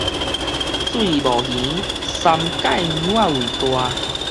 水裡無魚，三界娘仔為大